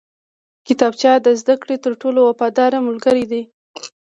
کتابچه د زده کړې تر ټولو وفاداره ملګرې ده